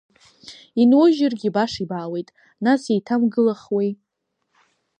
Инужьыргьы баша ибаауеит, нас еиҭамгылахуеи.